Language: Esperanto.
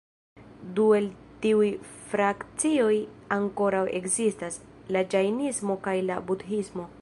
Du el tiuj frakcioj ankoraŭ ekzistas: la ĝajnismo kaj la budhismo.